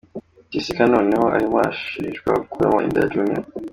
Jessica noneho arimo arashijwa gukuramo inda ya Junior.